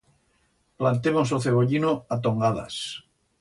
Plantemos o cebollino a tongadas.